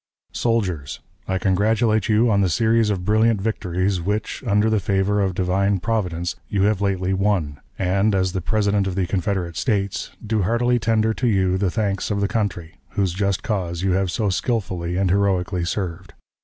_ "SOLDIERS: I congratulate you on the series of brilliant victories which, under the favor of Divine Providence, you have lately won, and, as the President of the Confederate States, do heartily tender to you the thanks of the country, whose just cause you have so skillfully and heroically served.